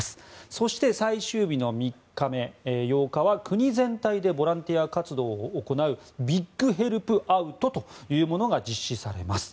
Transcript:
そして、最終日の３日目８日は国全体でボランティア活動を行うビッグ・ヘルプ・アウトというものが実施されます。